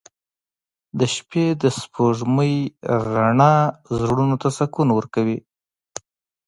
• د شپې د سپوږمۍ رڼا زړونو ته سکون ورکوي.